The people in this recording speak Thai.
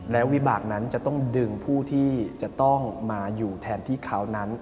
และวิบากนั้นจะต้องดึงผู้ที่จะต้องมาอยู่แทนที่เขานั้น